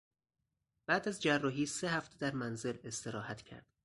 بعد از جراحی سه هفته در منزل استراحت کرد.